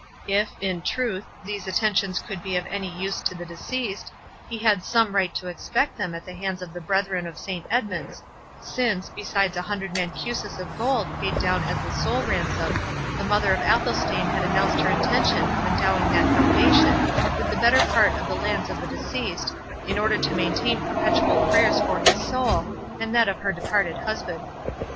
If, in truth, these attentions could be of any use to the deceased, he had some right to expect them at the hands of the brethren of Saint Edmund's, since, besides a hundred mancuses of gold paid down as the soul ransom, the mother of Athelstane had announced her intention of endowing that foundation with the better part of the lands of the deceased, in order to maintain perpetual prayers for his soul, and that of her departed husband.